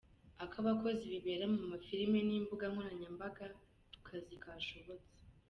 Ak’abakozi bibera mu mafilimi nimbuga nkoranya mbaga ku kazi kashobotse